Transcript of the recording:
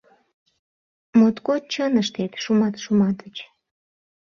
— Моткоч чын ыштет, Шумат Шуматыч!